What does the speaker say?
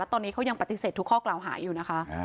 ตอนนี้เขายังปฏิเสธทุกข้อกล่าวหาอยู่นะคะ